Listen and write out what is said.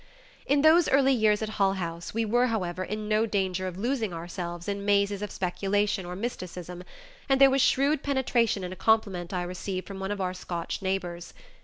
In those early years at Hull House we were, however, in no danger of losing ourselves in mazes of speculation or mysticism, and there was shrewd penetration in a compliment I received from one of our Scotch neighbors.